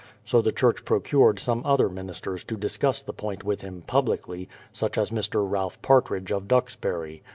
So the church procured some other ministers to discuss the point with him publicly, such as Mr. Ralph Partridge of Duxbury.